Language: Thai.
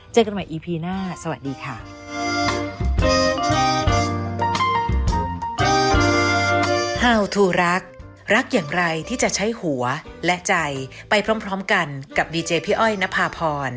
เจอกันใหม่อีพีหน้าสวัสดีค่ะ